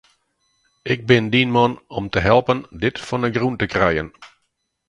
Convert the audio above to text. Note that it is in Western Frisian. Ik bin dyn man om te helpen dit fan 'e grûn te krijen.